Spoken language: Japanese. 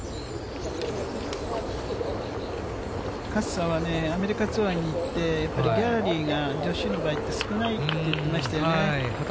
勝さんはね、アメリカツアーに行って、やっぱりギャラリーが女子の場合って少ないって話してましたね。